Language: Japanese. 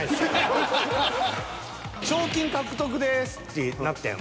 「賞金獲得です」ってなったやん。